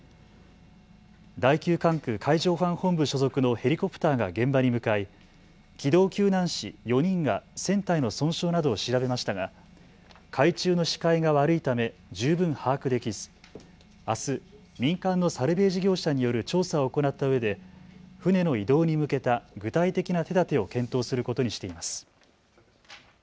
第９管区海上保安本部所属のヘリコプターが現場に向かい機動救難士４人が船体の損傷などを調べましたが海中の視界が悪いため十分把握できずあす民間のサルベージ業者による調査を行ったうえで船の移動に向けた具体的な手だてを検討することにしています。